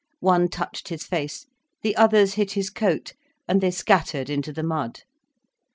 One touched his face, the others hit his coat, and they scattered into the mud.